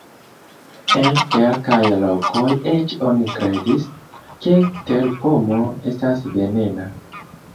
En kelkaj lokoj eĉ oni kredis, ke terpomo estas venena.